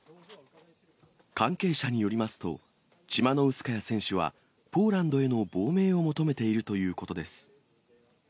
関係者によりますと、チマノウスカヤ選手は、ポーランドへの亡命を求めているということです。